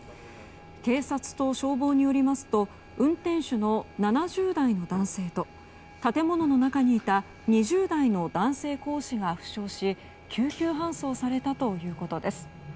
警察と消防によりますと運転手の７０代の男性と建物の中にいた２０代の男性講師が負傷し救急搬送されたということです。